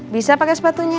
bisa pake sepatunya